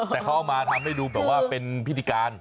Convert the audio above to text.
แต่เขาเอามาทำให้ดูแบบว่าเป็นพิธีการ